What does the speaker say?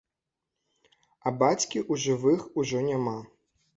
А бацькі ў жывых ужо няма.